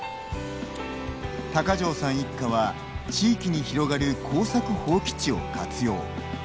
高城さん一家は地域に広がる耕作放棄地を活用。